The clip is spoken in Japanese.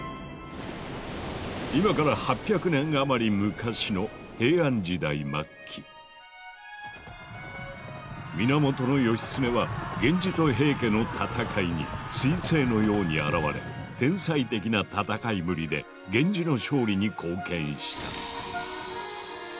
今から８００年余り昔の源義経は源氏と平家の戦いに彗星のように現れ天才的な戦いぶりで源氏の勝利に貢献した。